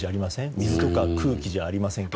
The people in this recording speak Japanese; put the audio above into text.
水とか空気じゃありませんが。